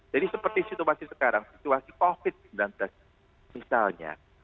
jadi seperti situasi sekarang situasi covid sembilan belas misalnya